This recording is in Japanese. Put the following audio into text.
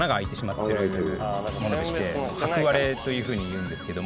ここにというふうに言うんですけども。